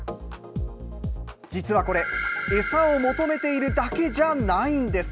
実はこれ、餌を求めているだけじゃないんです。